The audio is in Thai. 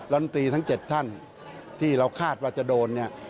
ร้อนตีทั้ง๗ท่านที่เราคาดว่าจะโดน